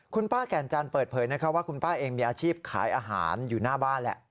คุณป้าแก่นจันทร์เปิดเผยว่าคุณป้าเองมีอาชีพขายอาหารอยู่หน้าบ้านแหละ